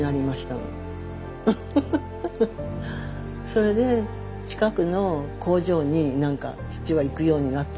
それで近くの工場に父は行くようになったの。